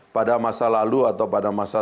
pada masa lalu atau pada masa